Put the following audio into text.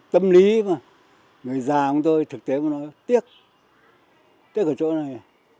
tâm lý mà người già của tôi thực tế mà nói tiếc tiếc ở chỗ này